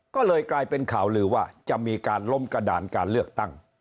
ก็เลยกลายเป็นข่าวลือว่าจะมีการล้มกระดานการเลือกตั้ง